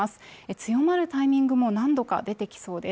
強まるタイミングも何度か出てきそうです